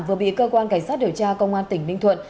vừa bị cơ quan cảnh sát điều tra công an tỉnh ninh thuận